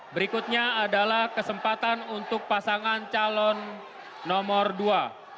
berikutnya adalah kesempatan untuk pasangan calon nomor dua